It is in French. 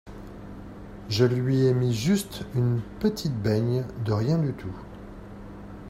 Je lui ai mis juste une petite beigne de rien du tout.